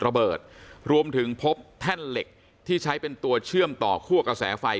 ระเบิดรวมถึงพบแท่นเหล็กที่ใช้เป็นตัวเชื่อมต่อคั่วกระแสไฟ